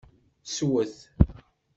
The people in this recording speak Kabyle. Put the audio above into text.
Swet!